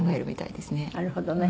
なるほどね。